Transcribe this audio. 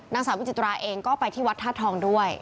นางสาววิจิตราเองก็ไปที่วัดธาตุทองด้วย